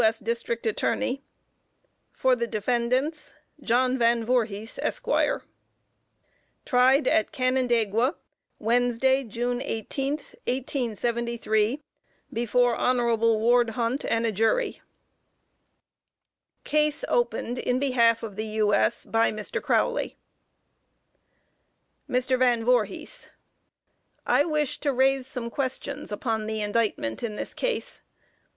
S. District Attorney. For the Defendants: JOHN VAN VOORHIS, ESQ. Tried at Canandaigua, Wednesday, June 18th, 1873, before Hon. Ward Hunt and a Jury. Case opened in behalf of the U.S. by Mr. Crowley. MR. VAN VOORHIS: I wish to raise some questions upon the indictment in this case.